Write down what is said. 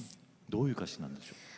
どういう歌詞なんでしょう？